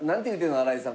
新井さん